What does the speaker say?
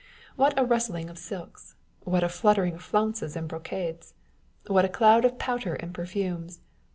What a rustling of silks ! What a fluttering of flounces and brocades ! What a cloud of powder and perfumes